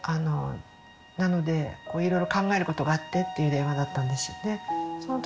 なのでいろいろ考えることがあってっていう電話だったんです。